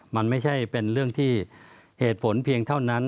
มันไม่ใช่เป็นเรื่องที่เหตุผลเพียงเท่านั้น